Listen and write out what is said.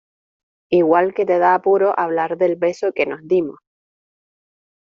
igual que te da apuro hablar del beso que nos dimos.